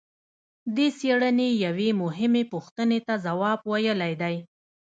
دې څېړنې یوې مهمې پوښتنې ته ځواب ویلی دی.